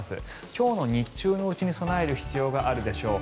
今日の日中のうちに備える必要があるでしょう。